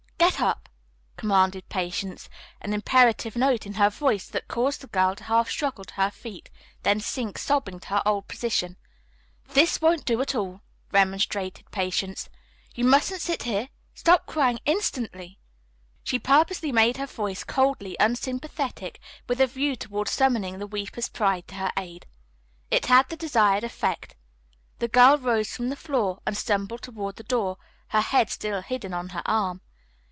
"Get up!" commanded Patience, an imperative note in her voice that caused the girl to half struggle to her feet, then sink sobbing to her old position. "This won't do at all," remonstrated Patience. "You mustn't sit here. Stop crying instantly." She purposely made her voice coldly unsympathetic with a view toward summoning the weeper's pride to her aid. It had the desired effect. The girl rose from the floor and stumbled toward the door, her head still hidden on her arm.